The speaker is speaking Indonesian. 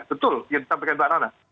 betul yang disampaikan mbak rana